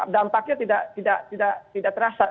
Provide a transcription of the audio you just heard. dampaknya tidak terasa